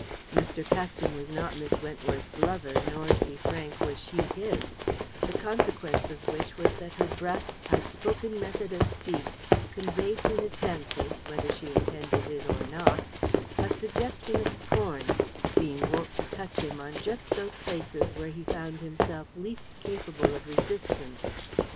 Mr. Paxton was not Miss Wentworth's lover nor, to be frank, was she his; the consequence of which was that her brusque, outspoken method of speech conveyed to his senses whether she intended it or not a suggestion of scorn, being wont to touch him on just those places where he found himself least capable of resistance.